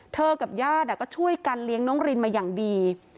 กับญาติก็ช่วยกันเลี้ยงน้องรินมาอย่างดี